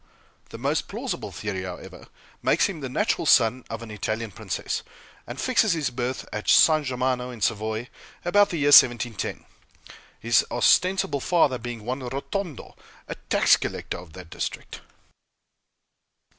The most plausible theory, however, makes him the natural son of an Italian princess, and fixes his birth at San Germano, in Savoy, about the year 1710; his ostensible father being one Rotondo, a tax collector of that district.